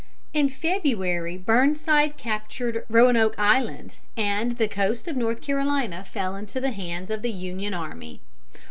In February Burnside captured Roanoke Island, and the coast of North Carolina fell into the hands of the Union army.